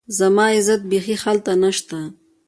زما عزت بيخي هلته نشته